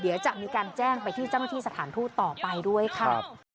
เดี๋ยวจะมีการแจ้งไปที่เจ้าหน้าที่สถานทูตต่อไปด้วยค่ะ